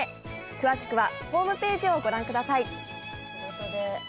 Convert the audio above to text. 詳しくはホームページをご覧ください。